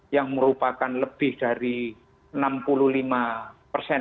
yang merupakan lebih dari enam puluh lima persen